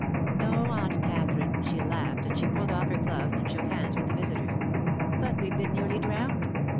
'No, Aunt Katherine,' she laughed as she pulled off her gloves and shook hands with the visitors. 'But we've been nearly drowned!